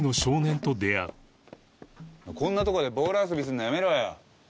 こんなとこでボール遊びするのやめろよ。